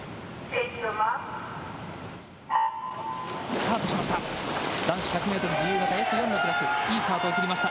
さあ、スタートしました。